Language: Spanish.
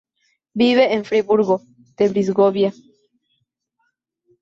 Vive en Friburgo de Brisgovia.